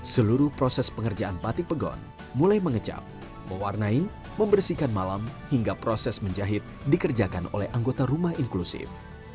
seluruh proses pengerjaan batik pegon mulai mengecap mewarnai membersihkan malam hingga proses menjahit dikerjakan oleh anggota rumah inklusif